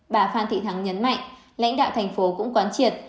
bà phan thị thắng nhấn mạnh lãnh đạo thành phố cũng quán triệt